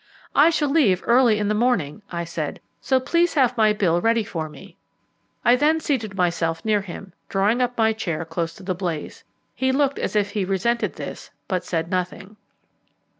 "I shall leave early in the morning," I said, "so please have my bill ready for me." I then seated myself near him, drawing up my chair close to the blaze. He looked as if he resented this, but said nothing.